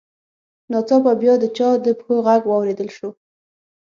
ناڅاپه بیا د چا د پښو غږ واورېدل شو